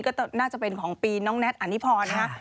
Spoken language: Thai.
ก็น่าจะเป็นของปีน้องแน็ตอันนิพรนะคะ